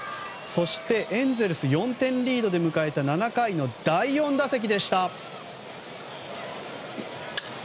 そして、エンゼルス４点リードで迎えた７回の第４打席。